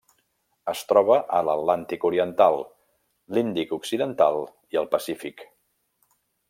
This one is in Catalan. Es troba a l'Atlàntic oriental, l'Índic occidental i el Pacífic.